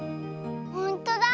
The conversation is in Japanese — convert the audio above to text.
ほんとだ。